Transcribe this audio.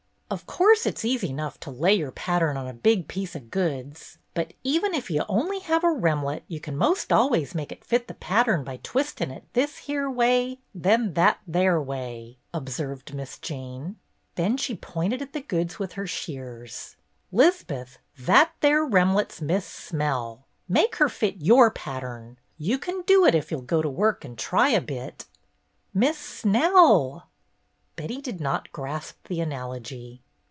" Of course it 's easy 'nough to lay your pattern on a big piece o' goods, but even 'f you have only a remlet you can 'most always make it fit the pattern by twisting it this here way, then that there way," observed Miss Jane. Then she pointed at the goods with her shears. "'Liz'beth, that there remlet 's Miss Smell. Make her fit your pattern. You can do it 'f you 'll go to work and try a bit." "Miss Snell!" Betty did not grasp the analogy.